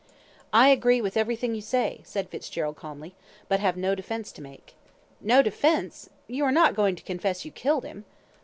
"I agree with everything you say," said Fitzgerald, calmly, "but I have no defence to make." "No defence? You are not going to confess you killed him?"